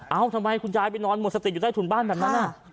ทำไมคุณยายไปนอนหมดสติอยู่ใต้ถุนบ้านแบบนั้น